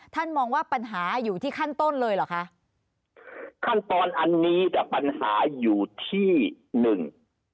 มองว่าปัญหาอยู่ที่ขั้นต้นเลยเหรอคะขั้นตอนอันนี้จะปัญหาอยู่ที่หนึ่ง